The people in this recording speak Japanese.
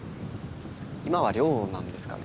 今は寮なんですかね？